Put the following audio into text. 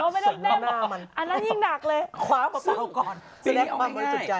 วันนี้ให้เอาง่าย